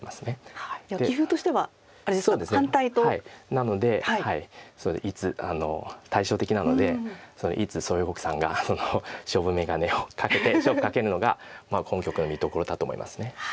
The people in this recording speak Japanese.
なのでいつ対照的なのでいつ蘇耀国さんが勝負眼鏡をかけて勝負かけるのが本局の見どころだと思います。